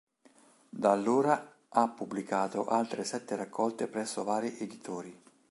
Da allora, ha pubblicato altre sette raccolte presso vari editori.